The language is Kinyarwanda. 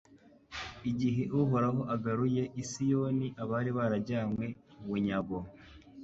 Igihe Uhoraho agaruye i Siyoni abari barajyanywe bunyago